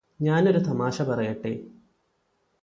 ഞാനൊരു തമാശ പറയട്ടെ